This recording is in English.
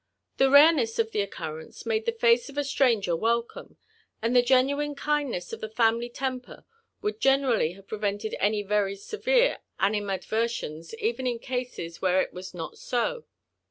The rareness of the occurrence made the face of a stranger welcome, and the genuine kindness of the family temper would ge nerally have ])revented any very severe animadversions even in cases where it was not so.